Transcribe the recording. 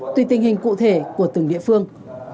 tùy tình hình cụ thể của từng địa phương